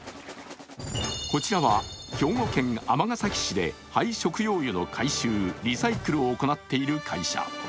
こちらは兵庫県尼崎市で廃食用油の回収リサイクルを行っている会社。